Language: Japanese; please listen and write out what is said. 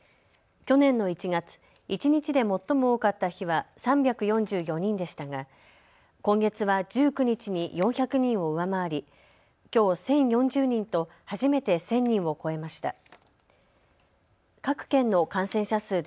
去年の１月、一日で最も多かった日は３４４人でしたが今月は１９日に４００人を上回りきょう１０４０人と初めて１０００人を超えました。